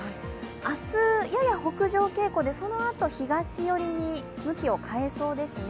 明日、やや北上傾向でそのあと、東寄りに向きを変えそうですね。